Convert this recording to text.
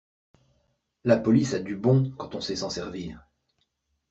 La police a du bon quand on sait s'en servir.